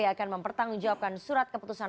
akan mempertanggungjawabkan surat keputusan